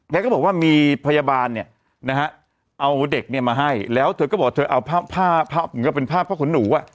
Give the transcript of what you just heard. ก็บอกว่ามีพยาบาลเนี่ยนะฮะเอาเด็กเนี่ยมาให้แล้วเธอก็บอกเธอเอาผ้าภาพเหมือนกับเป็นภาพผ้าขนหนูอ่ะ